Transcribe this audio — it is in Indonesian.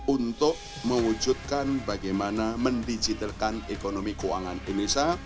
untuk mewujudkan bagaimana mendigitalkan ekonomi keuangan indonesia